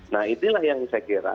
nah itulah yang saya kira